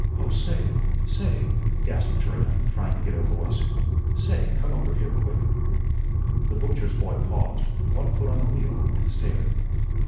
"Oh, say say," gasped Trina, trying to get her voice, "say, come over here quick." The butcher's boy paused, one foot on the wheel, and stared.